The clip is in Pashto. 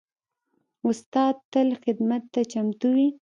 استاد تل خدمت ته چمتو وي.